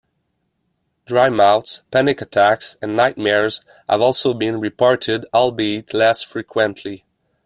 Dry mouth, panic attacks, and nightmares have also been reported, albeit less frequently.